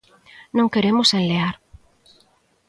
Non queremos enlear.